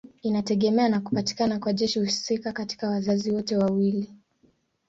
Inategemea na kupatikana kwa jeni husika katika wazazi wote wawili.